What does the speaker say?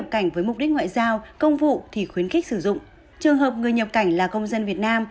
khuyến khích sử dụng trường hợp người nhập cảnh là công dân việt nam